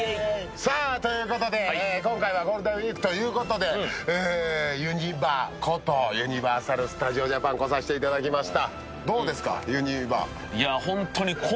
今回はゴールデンウイークということで、ユニバことユニバーサル・スタジオ・ジャパンに来させていただきました。